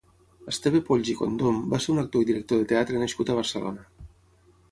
Esteve Polls i Condom va ser un actor i director de teatre nascut a Barcelona.